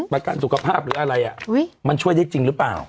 ประกันสุขภาพหรืออะไรมันช่วยได้จริงหรือเปล่า